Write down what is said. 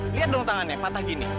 lihat dong tangannya patah gini